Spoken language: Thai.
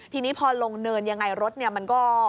ทีนี้พอลงเนินยังไงรถเนี่ยมันก็